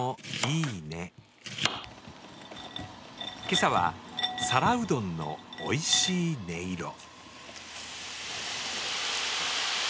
今朝は皿うどんのおいしい音色。